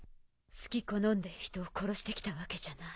好きこのんで人を殺して来たわけじゃない。